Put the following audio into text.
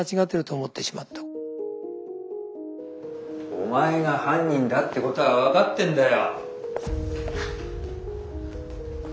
お前が犯人だってことは分かってんだよ。